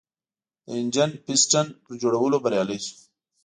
د انجن پېسټون پر جوړولو بریالی شو.